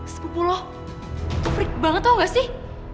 sepupu lo freak banget tau gak sih